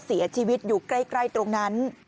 เสียชีวิตอยู่ใกล้ตรงนั้น